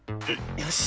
よし！